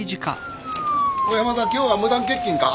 小山田今日は無断欠勤か？